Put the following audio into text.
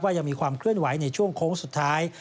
ยังมีความเคลื่อนไหวในช่วงโค้งสุดท้าย